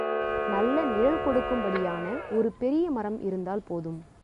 நல்ல நிழல் கொடுக்கும்படியான ஒரு பெரிய மரம் இருந்தால் போதும்.